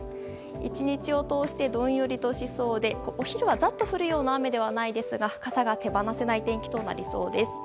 １日を通してどんよりとしそうでお昼はザッと降るような雨ではないですが傘が手放せない天気となりそうです。